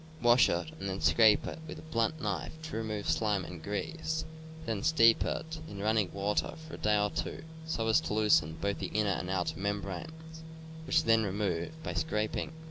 Wash it and then scrape it with a blunt knife to remove slime and grease; then steep it in running water for a day or two, so as to loosen both the inner and outer membranes, which are TROPHIES, BUCKSKIN, RAWHIDE 287 then removed by scraping.